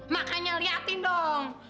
makanya liatin dong